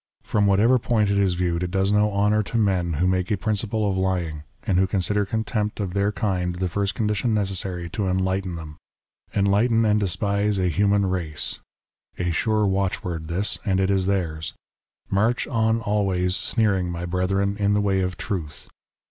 From whatever point it is viewed it does no honour to men who make a principle of lying, and who consider contempt of their kind the fu'st condition necessary to enlighten them. * Enlighten and despise the human race.' A sure watchword this, and it is theirs. ' March on always sneering, my brethren, in the way of truth.'